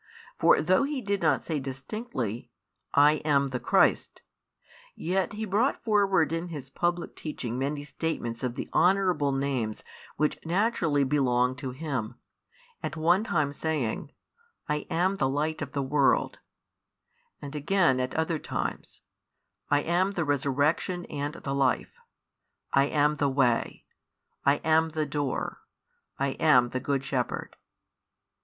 For though He did not say distinctly: "I am the Christ," yet He brought forward in His public teaching many statements of the honourable names which naturally belonged to Him, at one time saying: I am the Light of the world; and again at other times: I am the Resurrection and the Life; I am the Way; I am the Door; I am the Good Shepherd.